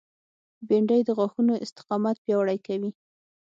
بېنډۍ د غاښونو استقامت پیاوړی کوي